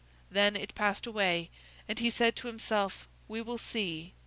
Then it passed away, and he said to himself, "We will see!